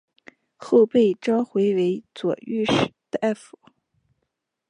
后被召回为左御史大夫。